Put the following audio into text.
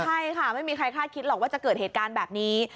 ใช่ค่ะไม่มีใครคาดคิดหรอกว่าจะเกิดเหตุการณ์แบบนี้